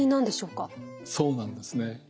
そうなんですね。